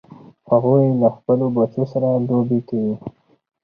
هغوی له خپلو بچو سره لوبې کوي